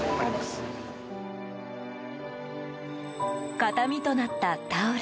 形見となったタオル。